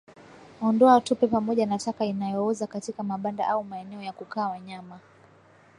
Ondoa tope pamoja na taka inayooza katika mabanda au maeneo ya kukaa wanyama